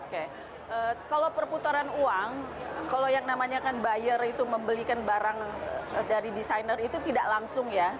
oke kalau perputaran uang kalau yang namanya kan buyer itu membelikan barang dari desainer itu tidak langsung ya